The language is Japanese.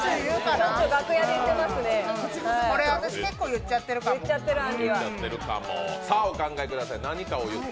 これ、私、結構っちゃってるかも。